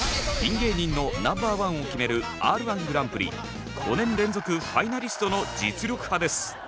芸人のナンバーワンを決めるＲ‐１グランプリ５年連続ファイナリストの実力派です。